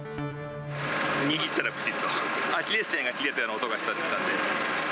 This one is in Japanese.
握ったらぶちっと、アキレスけんが切れたような音がしたって。